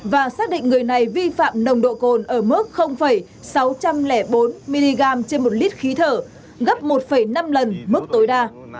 và xác định người này vi phạm nồng độ cồn ở mức sáu trăm linh bốn mg trên một lít khí thở gấp một năm lần mức tối đa